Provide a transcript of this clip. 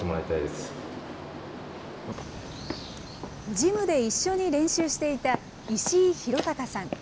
ジムで一緒に練習していた石井裕隆さん。